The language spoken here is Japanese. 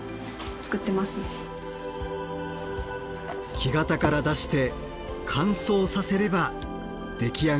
木型から出して乾燥させれば出来上がりです。